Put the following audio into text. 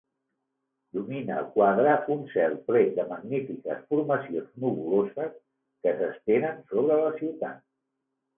Domina el quadre un cel ple de magnífiques formacions nuvoloses que s'estenen sobre la ciutat.